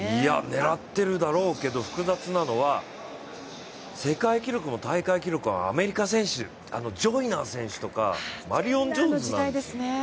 狙っているだろうけど、複雑なのは世界記録の大会記録はアメリカ選手、ジョイナー選手とかマリオン・ジョーンズなんです。